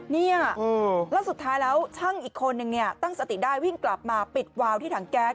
เนี่ยแล้วสุดท้ายแล้วช่างอีกคนนึงเนี่ยตั้งสติได้วิ่งกลับมาปิดวาวที่ถังแก๊ส